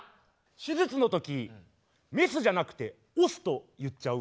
手術の時メスじゃなくてオスと言っちゃう。